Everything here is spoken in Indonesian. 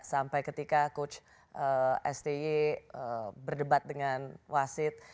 sampai ketika coach sby berdebat dengan wasit